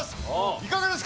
いかがですか？